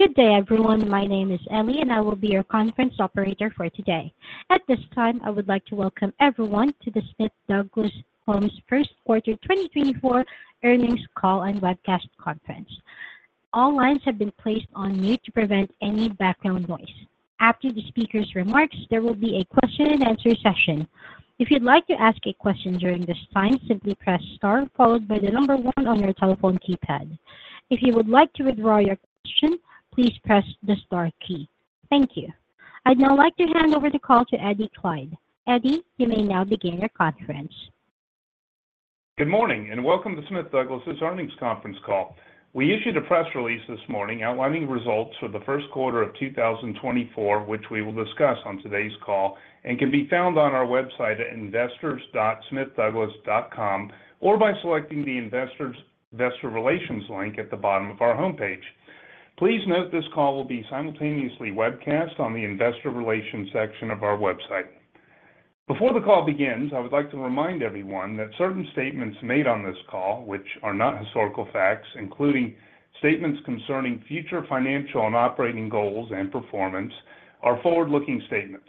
Good day, everyone. My name is Ellie, and I will be your conference operator for today. At this time, I would like to welcome everyone to the Smith Douglas Homes First Quarter 2024 Earnings Call and Webcast Conference. All lines have been placed on mute to prevent any background noise. After the speaker's remarks, there will be a question-and-answer session. If you'd like to ask a question during this time, simply press star followed by the number 1 on your telephone keypad. If you would like to withdraw your question, please press the star key. Thank you. I'd now like to hand over the call to Eddy Kleid. Eddy, you may now begin your conference. Good morning and welcome to Smith Douglas Homes' Earnings Conference Call. We issued a press release this morning outlining results for the first quarter of 2024, which we will discuss on today's call, and can be found on our website at investors.smithduglas.com or by selecting the investor relations link at the bottom of our homepage. Please note this call will be simultaneously webcast on the investor relations section of our website. Before the call begins, I would like to remind everyone that certain statements made on this call, which are not historical facts, including statements concerning future financial and operating goals and performance, are forward-looking statements.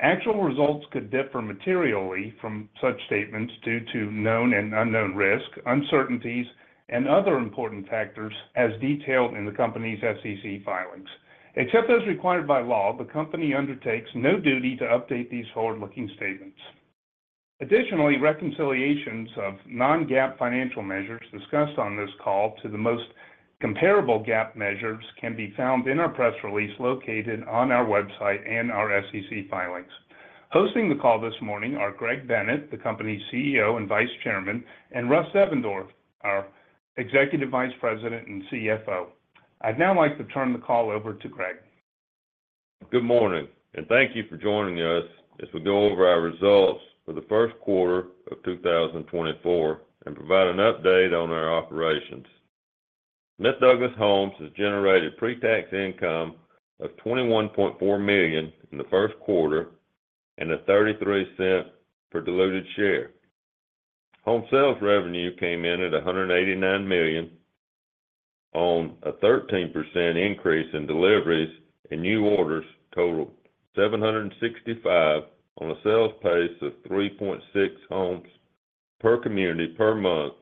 Actual results could differ materially from such statements due to known and unknown risk, uncertainties, and other important factors as detailed in the company's SEC filings. Except as required by law, the company undertakes no duty to update these forward-looking statements. Additionally, reconciliations of non-GAAP financial measures discussed on this call to the most comparable GAAP measures can be found in our press release located on our website and our SEC filings. Hosting the call this morning are Greg Bennett, the company's CEO and vice chairman, and Russ Devendorf, our executive vice president and CFO. I'd now like to turn the call over to Greg. Good morning, and thank you for joining us as we go over our results for the first quarter of 2024 and provide an update on our operations. Smith Douglas Homes has generated pre-tax income of $21.4 million in the first quarter and $0.33 per diluted share. Home sales revenue came in at $189 million on a 13% increase in deliveries and new orders totaled 765 on a sales pace of 3.6 homes per community per month,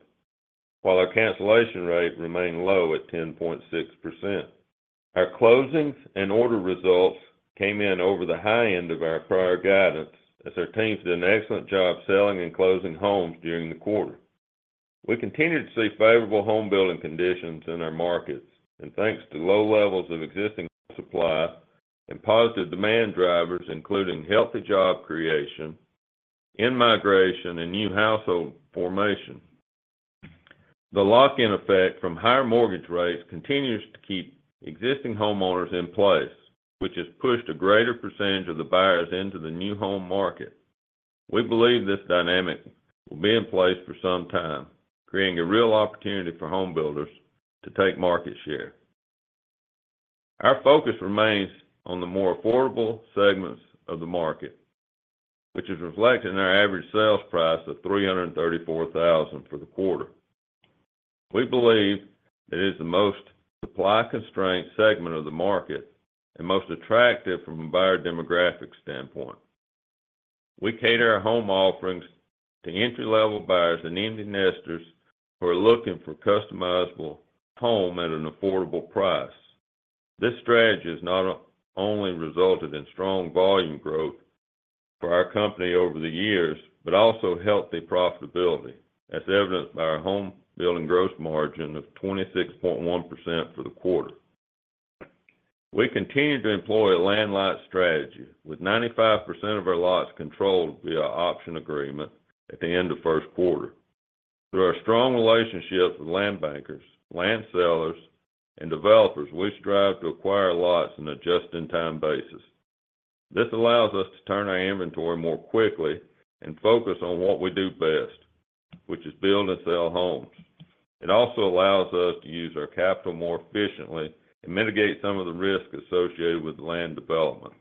while our cancellation rate remained low at 10.6%. Our closings and order results came in over the high end of our prior guidance as our team did an excellent job selling and closing homes during the quarter. We continue to see favorable home-building conditions in our markets, and thanks to low levels of existing supply and positive demand drivers including healthy job creation, in-migration, and new household formation, the lock-in effect from higher mortgage rates continues to keep existing homeowners in place, which has pushed a greater percentage of the buyers into the new home market. We believe this dynamic will be in place for some time, creating a real opportunity for home builders to take market share. Our focus remains on the more affordable segments of the market, which is reflected in our average sales price of $334,000 for the quarter. We believe it is the most supply-constrained segment of the market and most attractive from a buyer demographic standpoint. We cater our home offerings to entry-level buyers and empty nesters who are looking for a customizable home at an affordable price. This strategy has not only resulted in strong volume growth for our company over the years but also healthy profitability, as evidenced by our home-building gross margin of 26.1% for the quarter. We continue to employ a land-light strategy with 95% of our lots controlled via option agreement at the end of first quarter. Through our strong relationship with land bankers, land sellers, and developers, we strive to acquire lots on a just-in-time basis. This allows us to turn our inventory more quickly and focus on what we do best, which is build and sell homes. It also allows us to use our capital more efficiently and mitigate some of the risk associated with land development.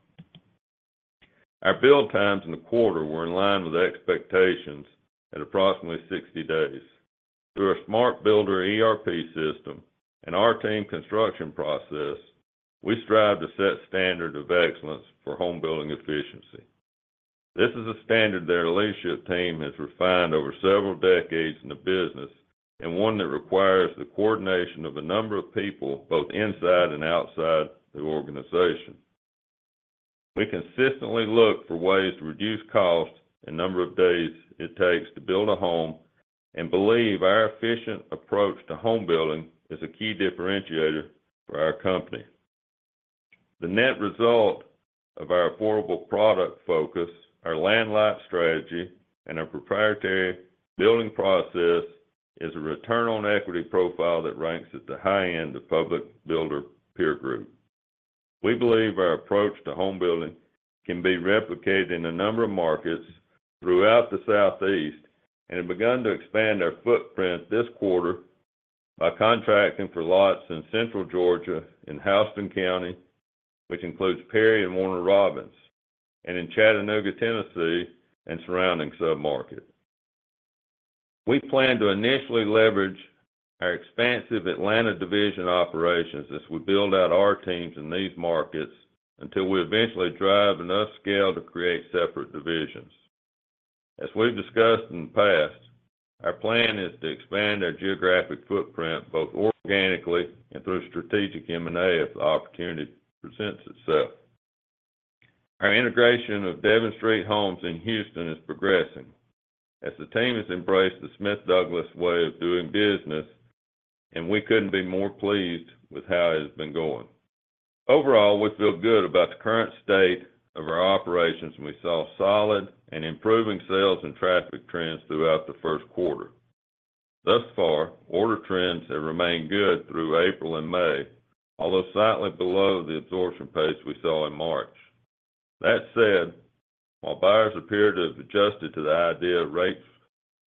Our build times in the quarter were in line with expectations at approximately 60 days. Through our SMART Builder ERP system and our Team construction process, we strive to set standards of excellence for home-building efficiency. This is a standard that our leadership team has refined over several decades in the business and one that requires the coordination of a number of people both inside and outside the organization. We consistently look for ways to reduce costs and the number of days it takes to build a home and believe our efficient approach to home-building is a key differentiator for our company. The net result of our affordable product focus, our land-light strategy, and our proprietary building process is a return on equity profile that ranks at the high end of the public builder peer group. We believe our approach to home-building can be replicated in a number of markets throughout the Southeast and have begun to expand our footprint this quarter by contracting for lots in Central Georgia in Houston County, which includes Perry and Warner Robins, and in Chattanooga, Tennessee, and surrounding submarkets. We plan to initially leverage our expansive Atlanta division operations as we build out our teams in these markets until we eventually drive enough scale to create separate divisions. As we've discussed in the past, our plan is to expand our geographic footprint both organically and through strategic M&A if the opportunity presents itself. Our integration of Devon Street Homes in Houston is progressing as the team has embraced the Smith Douglas way of doing business, and we couldn't be more pleased with how it has been going. Overall, we feel good about the current state of our operations, and we saw solid and improving sales and traffic trends throughout the first quarter. Thus far, order trends have remained good through April and May, although slightly below the absorption pace we saw in March. That said, while buyers appear to have adjusted to the idea rates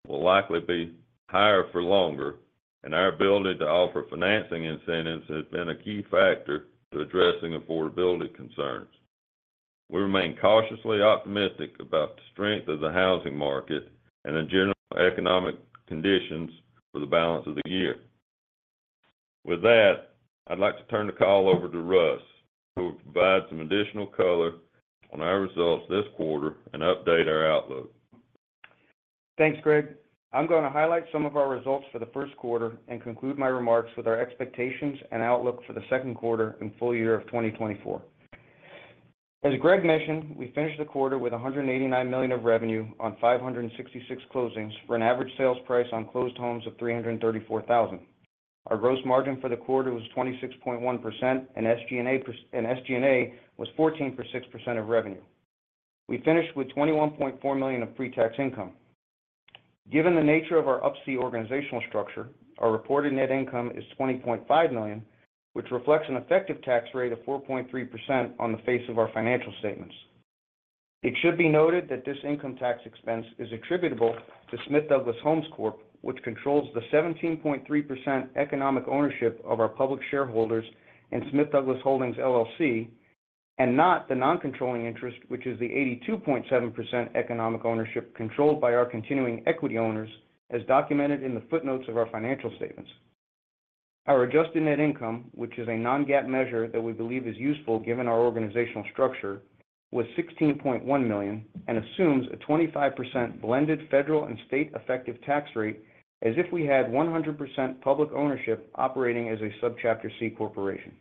will likely be higher for longer, our ability to offer financing incentives has been a key factor to addressing affordability concerns. We remain cautiously optimistic about the strength of the housing market and the general economic conditions for the balance of the year. With that, I'd like to turn the call over to Russ, who will provide some additional color on our results this quarter and update our outlook. Thanks, Greg. I'm going to highlight some of our results for the first quarter and conclude my remarks with our expectations and outlook for the second quarter and full year of 2024. As Greg mentioned, we finished the quarter with $189 million of revenue on 566 closings for an average sales price on closed homes of $334,000. Our gross margin for the quarter was 26.1%, and SG&A was 14.6% of revenue. We finished with $21.4 million of pre-tax income. Given the nature of our upstream organizational structure, our reported net income is $20.5 million, which reflects an effective tax rate of 4.3% on the face of our financial statements. It should be noted that this income tax expense is attributable to Smith Douglas Homes Corp, which controls the 17.3% economic ownership of our public shareholders in Smith Douglas Holdings, LLC, and not the non-controlling interest, which is the 82.7% economic ownership controlled by our continuing equity owners, as documented in the footnotes of our financial statements. Our adjusted net income, which is a non-GAAP measure that we believe is useful given our organizational structure, was $16.1 million and assumes a 25% blended federal and state effective tax rate as if we had 100% public ownership operating as a subchapter C corporation.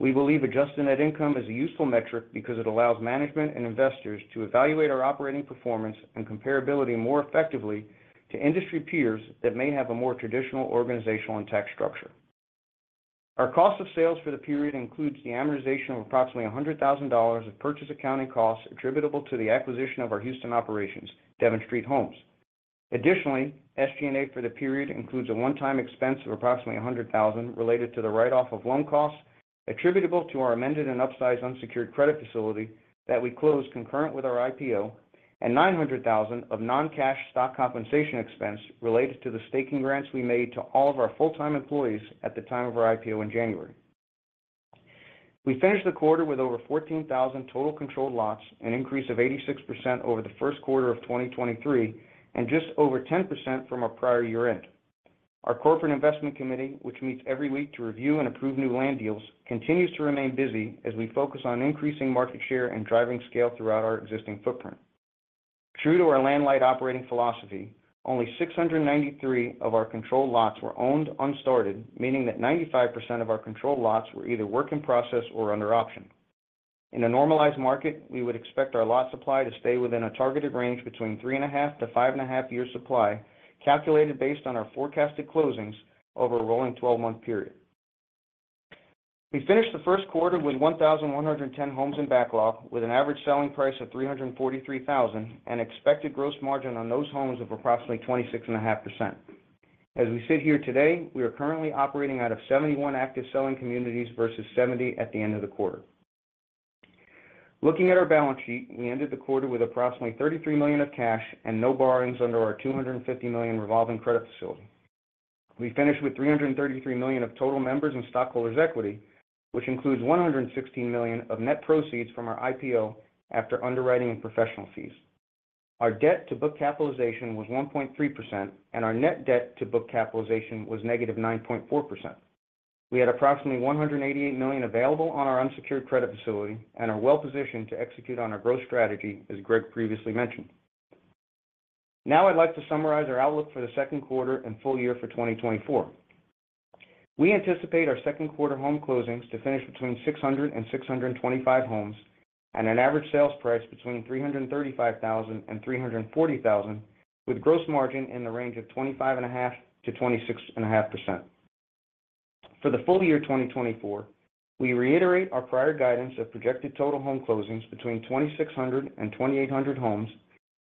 We believe adjusted net income is a useful metric because it allows management and investors to evaluate our operating performance and comparability more effectively to industry peers that may have a more traditional organizational and tax structure. Our cost of sales for the period includes the amortization of approximately $100,000 of purchase accounting costs attributable to the acquisition of our Houston operations, Devon Street Homes. Additionally, SG&A for the period includes a one-time expense of approximately $100,000 related to the write-off of loan costs attributable to our amended and upsized unsecured credit facility that we closed concurrent with our IPO, and $900,000 of non-cash stock compensation expense related to the Stock Grants we made to all of our full-time employees at the time of our IPO in January. We finished the quarter with over 14,000 total controlled lots, an increase of 86% over the first quarter of 2023 and just over 10% from our prior year-end. Our corporate investment committee, which meets every week to review and approve new land deals, continues to remain busy as we focus on increasing market share and driving scale throughout our existing footprint. True to our land-light operating philosophy, only 693 of our controlled lots were owned unstarted, meaning that 95% of our controlled lots were either work in process or under option. In a normalized market, we would expect our lot supply to stay within a targeted range between three and a half to five and a half years' supply, calculated based on our forecasted closings over a rolling 12-month period. We finished the first quarter with 1,110 homes in backlog with an average selling price of $343,000 and expected gross margin on those homes of approximately 26.5%. As we sit here today, we are currently operating out of 71 active selling communities versus 70 at the end of the quarter. Looking at our balance sheet, we ended the quarter with approximately $33 million of cash and no borrowings under our $250 million revolving credit facility. We finished with $333 million of total members and stockholders equity, which includes $116 million of net proceeds from our IPO after underwriting and professional fees. Our debt to book capitalization was 1.3%, and our net debt to book capitalization was -9.4%. We had approximately $188 million available on our unsecured credit facility and are well positioned to execute on our growth strategy, as Greg previously mentioned. Now I'd like to summarize our outlook for the second quarter and full year for 2024. We anticipate our second quarter home closings to finish between 600 and 625 homes and an average sales price between $335,000-$340,000, with gross margin in the range of 25.5%-26.5%. For the full year 2024, we reiterate our prior guidance of projected total home closings between 2,600 and 2,800 homes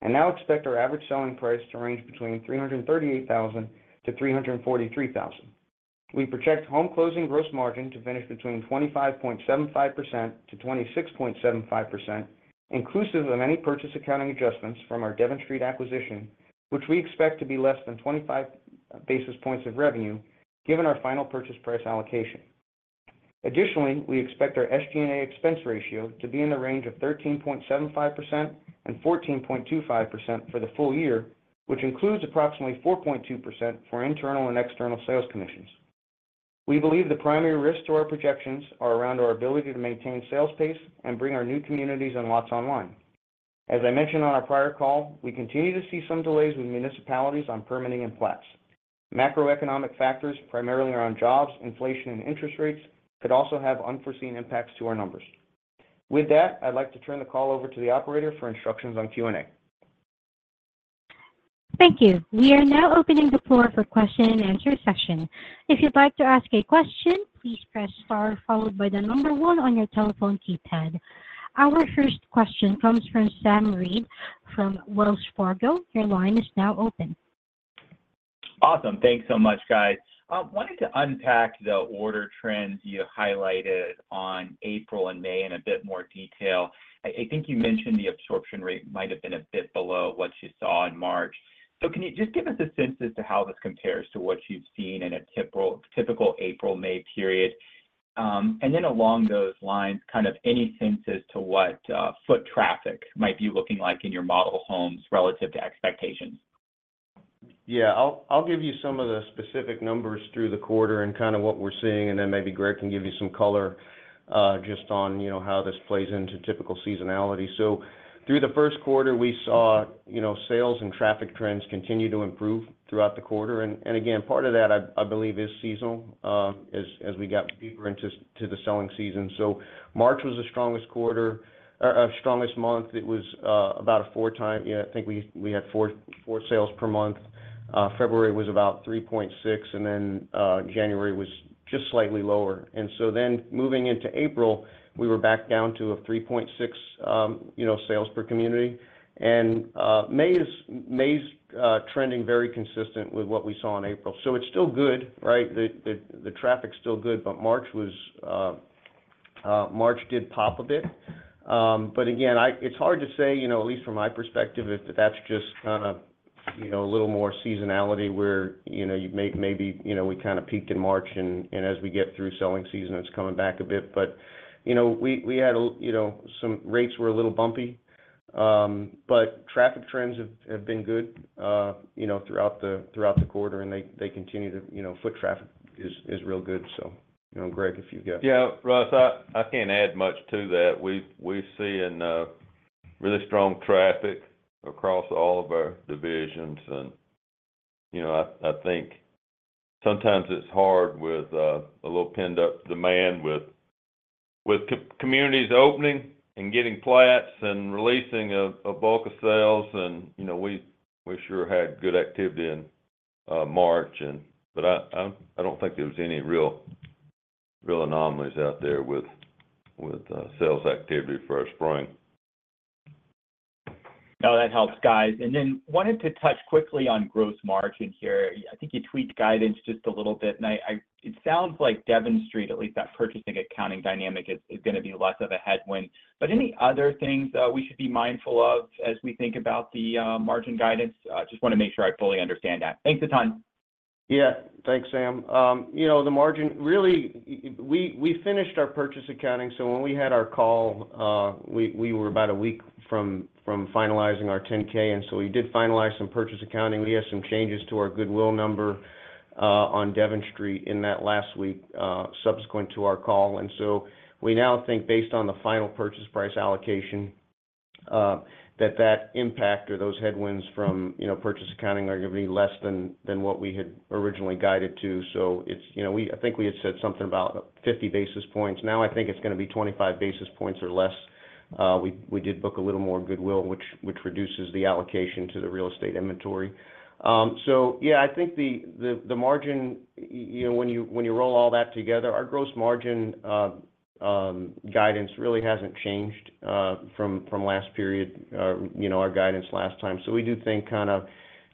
and now expect our average selling price to range between $338,000-$343,000. We project home closing gross margin to finish between 25.75%-26.75%, inclusive of any purchase accounting adjustments from our Devon Street acquisition, which we expect to be less than 25 basis points of revenue given our final purchase price allocation. Additionally, we expect our SG&A expense ratio to be in the range of 13.75%-14.25% for the full year, which includes approximately 4.2% for internal and external sales commissions. We believe the primary risks to our projections are around our ability to maintain sales pace and bring our new communities and lots online. As I mentioned on our prior call, we continue to see some delays with municipalities on permitting and plats. Macroeconomic factors, primarily around jobs, inflation, and interest rates, could also have unforeseen impacts to our numbers. With that, I'd like to turn the call over to the operator for instructions on Q&A. Thank you. We are now opening the floor for question and answer session. If you'd like to ask a question, please press star followed by one on your telephone keypad. Our first question comes from Sam Reid from Wells Fargo. Your line is now open. Awesome. Thanks so much, guys. I wanted to unpack the order trends you highlighted on April and May in a bit more detail. I think you mentioned the absorption rate might have been a bit below what you saw in March. So can you just give us a sense as to how this compares to what you've seen in a typical April, May period? And then along those lines, kind of any sense as to what foot traffic might be looking like in your model homes relative to expectations? Yeah. I'll give you some of the specific numbers through the quarter and kind of what we're seeing, and then maybe Greg can give you some color just on how this plays into typical seasonality. So through the first quarter, we saw sales and traffic trends continue to improve throughout the quarter. And again, part of that, I believe, is seasonal as we got deeper into the selling season. So March was the strongest quarter, strongest month. It was about a four times, yeah. I think we had four sales per month. February was about 3.6, and then January was just slightly lower. And so then moving into April, we were back down to a 3.6 sales per community. And May's trending very consistent with what we saw in April. So it's still good, right? The traffic's still good, but March did pop a bit. But again, it's hard to say, at least from my perspective, if that's just kind of a little more seasonality where maybe we kind of peaked in March, and as we get through selling season, it's coming back a bit. But we had some rates were a little bumpy, but traffic trends have been good throughout the quarter, and they continue to foot traffic is real good. So Greg, if you've got- Yeah. Russ, I can't add much to that. We're seeing really strong traffic across all of our divisions, and I think sometimes it's hard with a little pent-up demand with communities opening and getting plats and releasing a bulk of sales. And we sure had good activity in March, but I don't think there was any real anomalies out there with sales activity for our spring. No, that helps, guys. And then wanted to touch quickly on gross margin here. I think you tweaked guidance just a little bit, and it sounds like Devon Street, at least that purchase accounting dynamic, is going to be less of a headwind. But any other things we should be mindful of as we think about the margin guidance? Just want to make sure I fully understand that. Thanks. Yeah. Thanks, Sam. The margin, really, we finished our purchase accounting. So when we had our call, we were about a week from finalizing our 10-K, and so we did finalize some purchase accounting. We had some changes to our goodwill number on Devon Street in that last week subsequent to our call. And so we now think, based on the final purchase price allocation, that that impact or those headwinds from purchase accounting are going to be less than what we had originally guided to. So I think we had said something about 50 basis points. Now I think it's going to be 25 basis points or less. We did book a little more goodwill, which reduces the allocation to the real estate inventory. So yeah, I think the margin, when you roll all that together, our gross margin guidance really hasn't changed from last period, our guidance last time. So we do think kind of,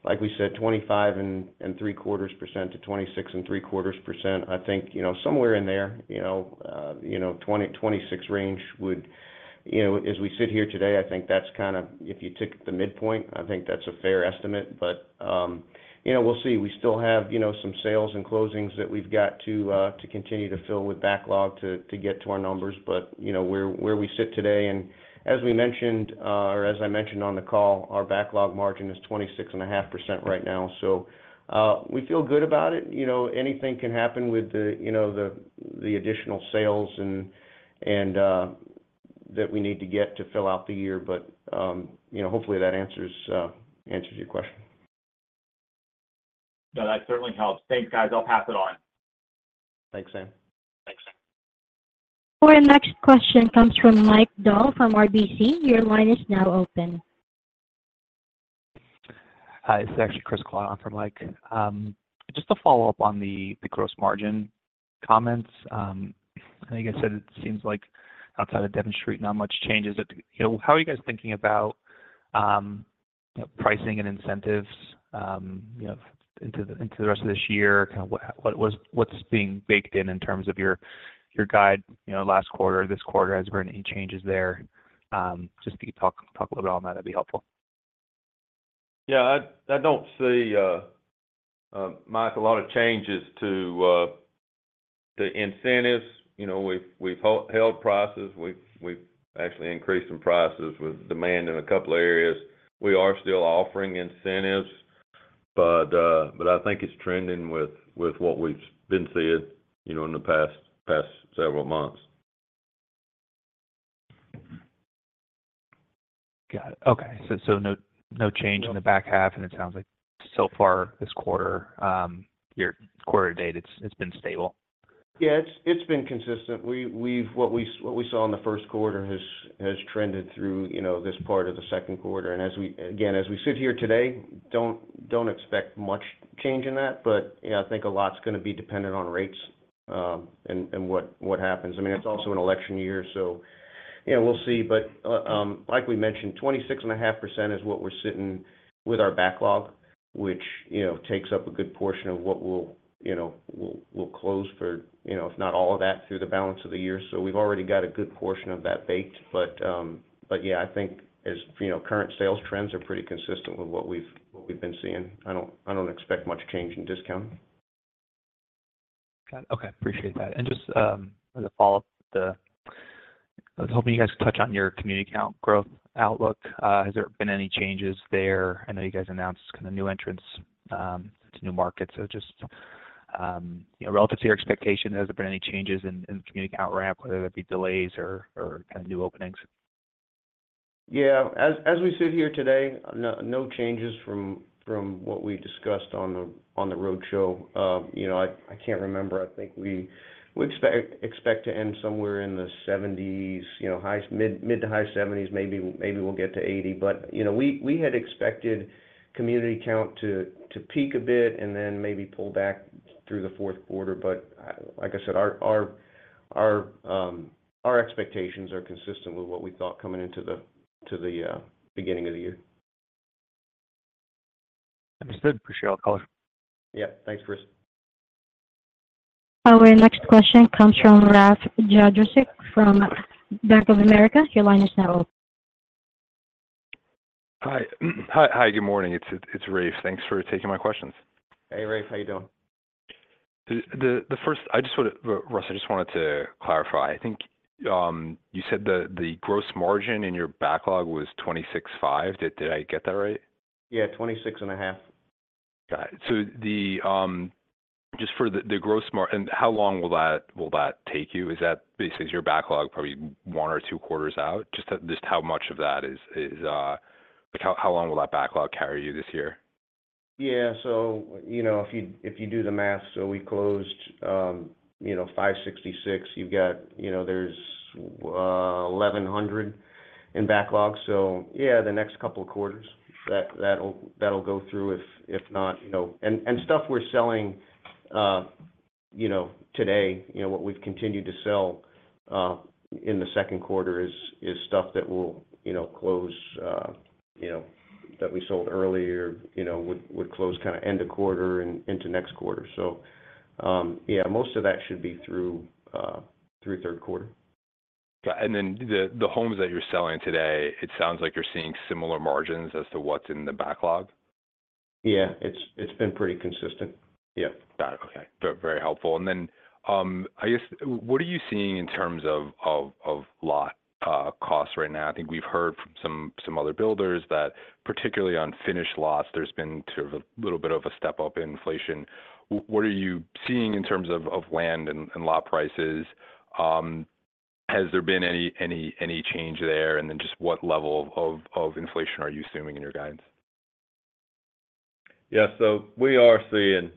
like we said, 25.75%-26.75%. I think somewhere in there, 26 range would as we sit here today, I think that's kind of if you took the midpoint, I think that's a fair estimate. But we'll see. We still have some sales and closings that we've got to continue to fill with backlog to get to our numbers. But where we sit today, and as we mentioned or as I mentioned on the call, our backlog margin is 26.5% right now. So we feel good about it. Anything can happen with the additional sales that we need to get to fill out the year. Hopefully, that answers your question. No, that certainly helps. Thanks, guys. I'll pass it on. Thanks, Sam. Our next question comes from Mike Dahl from RBC. Your line is now open. Hi. It's actually Chris Clark on for Mike. Just to follow up on the gross margin comments, I think I said it seems like outside of Devon Street, not much changes. How are you guys thinking about pricing and incentives into the rest of this year? Kind of what's being baked in in terms of your guide last quarter, this quarter? Has there been any changes there? Just to talk a little bit on that, that'd be helpful. Yeah. I don't see, Mike, a lot of changes to the incentives. We've held prices. We've actually increased some prices with demand in a couple of areas. We are still offering incentives, but I think it's trending with what we've been seeing in the past several months. Got it. Okay. So no change in the back half, and it sounds like so far this quarter, your quarter date, it's been stable. Yeah. It's been consistent. What we saw in the first quarter has trended through this part of the second quarter. And again, as we sit here today, don't expect much change in that. But yeah, I think a lot's going to be dependent on rates and what happens. I mean, it's also an election year, so we'll see. But like we mentioned, 26.5% is what we're sitting with our backlog, which takes up a good portion of what we'll close for, if not all of that, through the balance of the year. So we've already got a good portion of that baked. But yeah, I think current sales trends are pretty consistent with what we've been seeing. I don't expect much change in discount. Got it. Okay. Appreciate that. And just as a follow-up, I was hoping you guys could touch on your community account growth outlook. Has there been any changes there? I know you guys announced kind of new entrants, new markets. So just relative to your expectations, has there been any changes in the community account ramp, whether that be delays or kind of new openings? Yeah. As we sit here today, no changes from what we discussed on the roadshow. I can't remember. I think we expect to end somewhere in the 70s, mid- to high 70s. Maybe we'll get to 80. But we had expected community count to peak a bit and then maybe pull back through the fourth quarter. But like I said, our expectations are consistent with what we thought coming into the beginning of the year. Understood. Appreciate all the color. Yeah. Thanks, Chris. Our next question comes from Rafe Jadrosich from Bank of America. Your line is now open. Hi. Hi. Good morning. It's Rafe. Thanks for taking my questions. Hey, Rafe. How you doing? I just wanted to Russ, I just wanted to clarify. I think you said the gross margin in your backlog was 26.5. Did I get that right? Yeah. 26.5 Got it. So just for the gross margin, how long will that take you? Is that basically your backlog probably one or two quarters out? Just how much of that is how long will that backlog carry you this year? Yeah. So if you do the math, so we closed 566. There's 1,100 in backlog. So yeah, the next couple of quarters, that'll go through. If not and stuff we're selling today, what we've continued to sell in the second quarter is stuff that we'll close that we sold earlier would close kind of end of quarter into next quarter. So yeah, most of that should be through third quarter. Got it. And then the homes that you're selling today, it sounds like you're seeing similar margins as to what's in the backlog? Yeah. It's been pretty consistent. Yeah. Got it. Okay. Very helpful. And then I guess, what are you seeing in terms of lot costs right now? I think we've heard from some other builders that particularly on finished lots, there's been sort of a little bit of a step-up in inflation. What are you seeing in terms of land and lot prices? Has there been any change there? And then just what level of inflation are you assuming in your guidance? Yeah. So we are seeing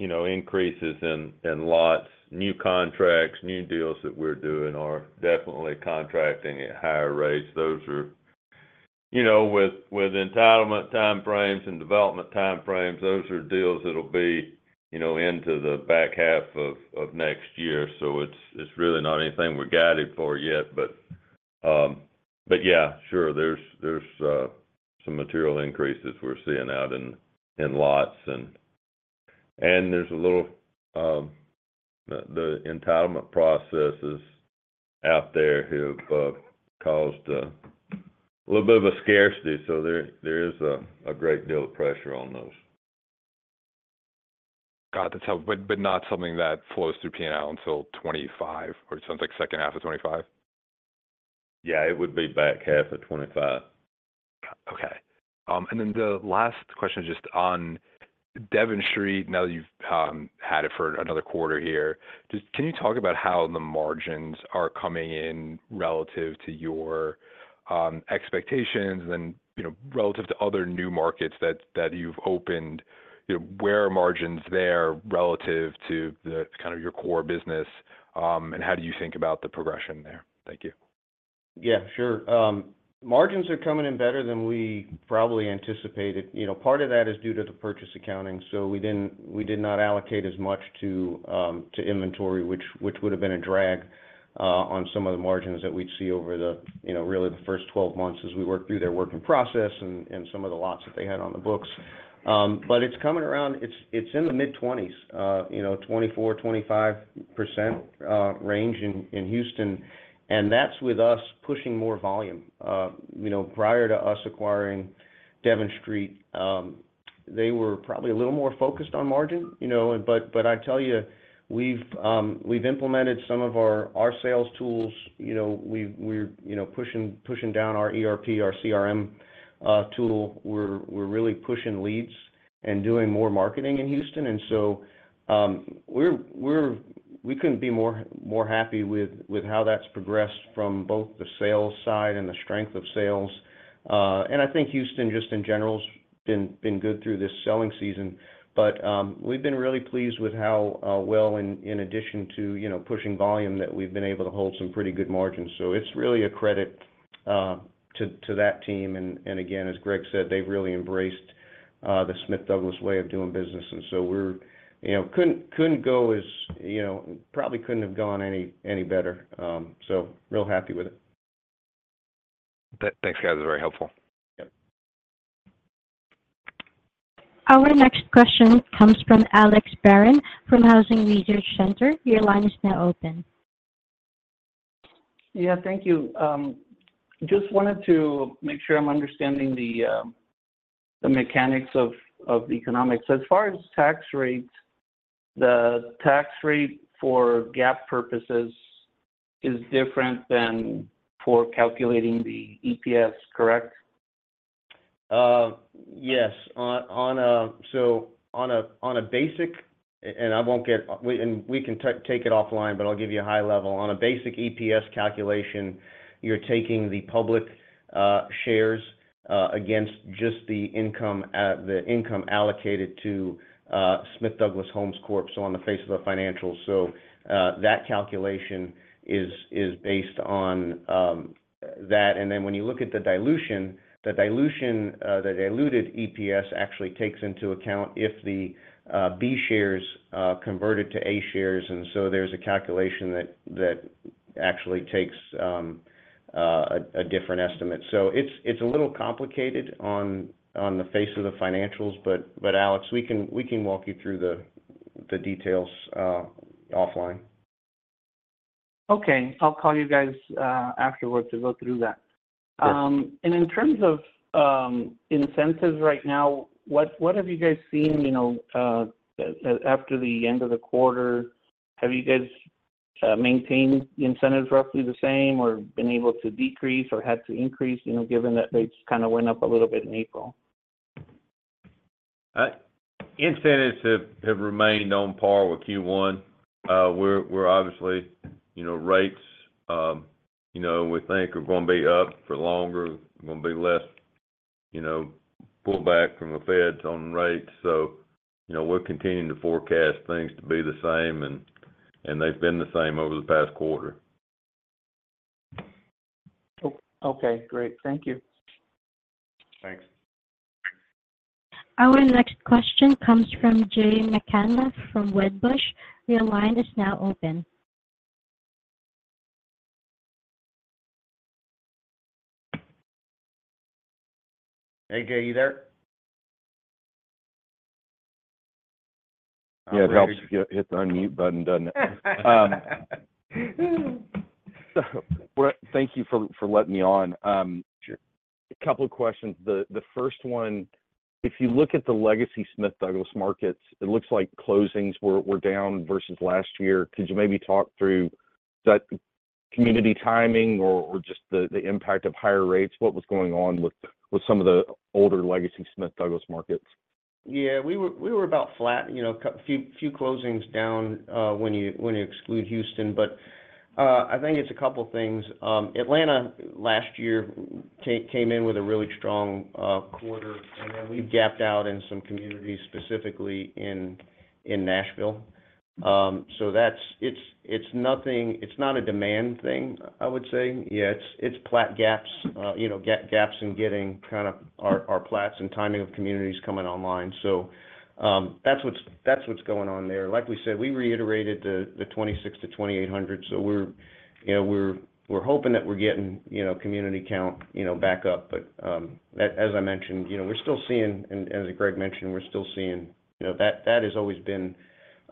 increases in lots. New contracts, new deals that we're doing are definitely contracting at higher rates. Those are with entitlement timeframes and development timeframes, those are deals that'll be into the back half of next year. So it's really not anything we're guided for yet. But yeah, sure, there's some material increases we're seeing out in lots. And there's a little the entitlement processes out there have caused a little bit of a scarcity. So there is a great deal of pressure on those. Got it. But not something that flows through P&L until 2025, or it sounds like second half of 2025? Yeah. It would be back half of 2025. Got it. Okay. Then the last question is just on Devon Street, now that you've had it for another quarter here, just can you talk about how the margins are coming in relative to your expectations and then relative to other new markets that you've opened? Where are margins there relative to kind of your core business, and how do you think about the progression there? Thank you. Yeah. Sure. Margins are coming in better than we probably anticipated. Part of that is due to the purchase accounting. So we did not allocate as much to inventory, which would have been a drag on some of the margins that we'd see over really the first 12 months as we worked through their working process and some of the lots that they had on the books. But it's coming around, it's in the mid-20s, 24%-25% range in Houston. And that's with us pushing more volume. Prior to us acquiring Devon Street, they were probably a little more focused on margin. But I tell you, we've implemented some of our sales tools. We're pushing down our ERP, our CRM tool. We're really pushing leads and doing more marketing in Houston. We couldn't be more happy with how that's progressed from both the sales side and the strength of sales. I think Houston, just in general, has been good through this selling season. But we've been really pleased with how well, in addition to pushing volume, that we've been able to hold some pretty good margins. So it's really a credit to that team. And again, as Greg said, they've really embraced the Smith Douglas way of doing business. And so we probably couldn't have gone any better. So real happy with it. Thanks, guys. It was very helpful. Our next question comes from Alex Barron from Housing Research Center. Your line is now open. Yeah. Thank you. Just wanted to make sure I'm understanding the mechanics of the economics. As far as tax rates, the tax rate for GAAP purposes is different than for calculating the EPS, correct? Yes. So we can take it offline, but I'll give you a high level. On a basic EPS calculation, you're taking the public shares against just the income allocated to Smith Douglas Homes Corp, so on the face of the financials. So that calculation is based on that. And then when you look at the dilution, the diluted EPS actually takes into account if the B shares converted to A shares. And so there's a calculation that actually takes a different estimate. So it's a little complicated on the face of the financials. But Alex, we can walk you through the details offline. Okay. I'll call you guys afterwards to go through that. In terms of incentives right now, what have you guys seen after the end of the quarter? Have you guys maintained the incentives roughly the same or been able to decrease or had to increase given that rates kind of went up a little bit in April? Incentives have remained on par with Q1. We're obviously rates we think are going to be up for longer. We're going to be less pullback from the Fed's on rates. So we're continuing to forecast things to be the same, and they've been the same over the past quarter. Okay. Great. Thank you. Thanks. Our next question comes from Jay McCanless from Wedbush. Your line is now open. Hey, Jay. You there? Yeah. It helps hit the unmute button, doesn't it? So thank you for letting me on. A couple of questions. The first one, if you look at the legacy Smith Douglas markets, it looks like closings were down versus last year. Could you maybe talk through that community timing or just the impact of higher rates? What was going on with some of the older legacy Smith Douglas markets? Yeah. We were about flat, a few closings down when you exclude Houston. But I think it's a couple of things. Atlanta last year came in with a really strong quarter, and then we've gapped out in some communities, specifically in Nashville. So it's not a demand thing, I would say. Yeah. It's plat gaps in getting kind of our plats and timing of communities coming online. So that's what's going on there. Like we said, we reiterated the 2,600-2,800. So we're hoping that we're getting community count back up. But as I mentioned, we're still seeing and as Greg mentioned, we're still seeing that has always been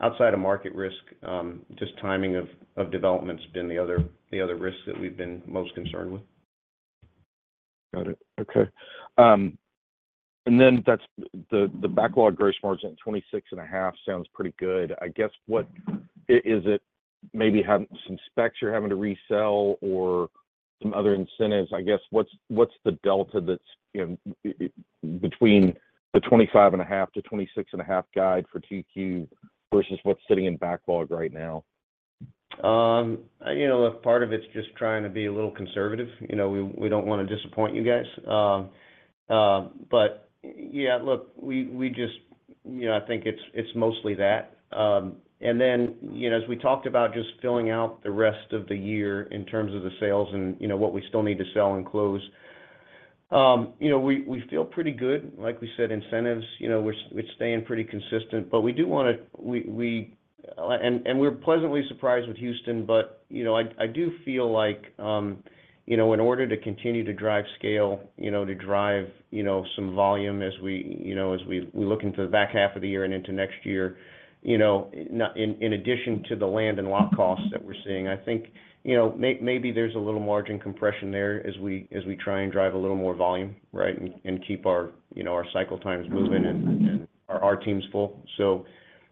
outside of market risk. Just timing of development's been the other risk that we've been most concerned with. Got it. Okay. And then the backlog gross margin at 26.5% sounds pretty good. I guess, is it maybe some specs you're having to resell or some other incentives? I guess, what's the delta that's between the 25.5%-26.5% guide for TQ versus what's sitting in backlog right now? Part of it's just trying to be a little conservative. We don't want to disappoint you guys. But yeah, look, we just I think it's mostly that. And then as we talked about just filling out the rest of the year in terms of the sales and what we still need to sell and close, we feel pretty good. Like we said, incentives, we're staying pretty consistent. But we do want to and we're pleasantly surprised with Houston. But I do feel like in order to continue to drive scale, to drive some volume as we look into the back half of the year and into next year, in addition to the land and lot costs that we're seeing, I think maybe there's a little margin compression there as we try and drive a little more volume, right, and keep our cycle times moving and our teams full. So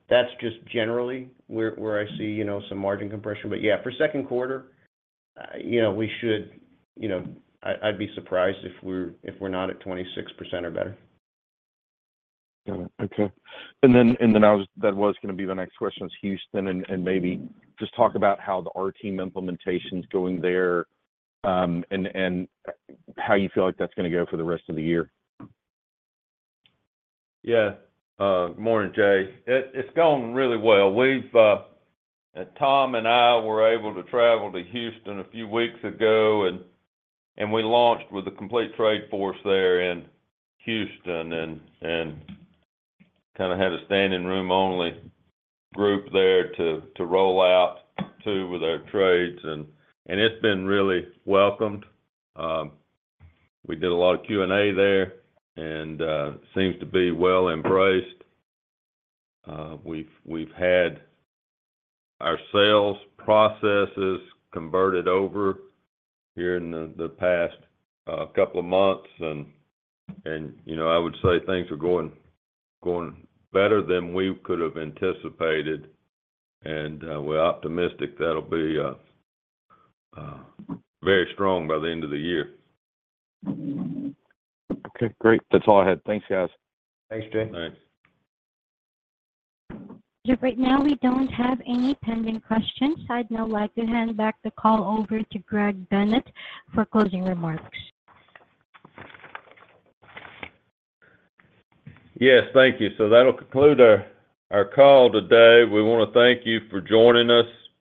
that's just generally where I see some margin compression. But yeah, for second quarter, I'd be surprised if we're not at 26% or better. Got it. Okay. And then that was going to be the next question is Houston and maybe just talk about how the our Team implementation's going there and how you feel like that's going to go for the rest of the year. Yeah. Morning, Jay. It's going really well. Tom and I were able to travel to Houston a few weeks ago, and we launched with a complete trade force there in Houston and kind of had a standing room only group there to roll out too with our trades. And it's been really welcomed. We did a lot of Q&A there and seems to be well embraced. We've had our sales processes converted over here in the past couple of months. And I would say things are going better than we could have anticipated. And we're optimistic that'll be very strong by the end of the year. Okay. Great. That's all I had. Thanks, guys. Thanks, Jay. Right now, we don't have any pending questions. I'd now like to hand back the call over to Greg Bennett for closing remarks. Yes. Thank you. So that'll conclude our call today. We want to thank you for joining us.